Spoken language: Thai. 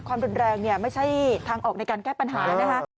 ความดนแรงไม่ใช่ทางออกในการแก้ปัญหานะครับ